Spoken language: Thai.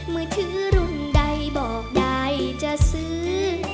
มือถือรุ่นใดบอกได้จะซื้อ